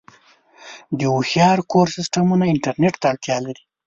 د هوښیار کور سیسټمونه انټرنیټ ته اړتیا لري.